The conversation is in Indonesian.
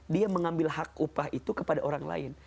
dia mengambil hak upah itu kepada orang lain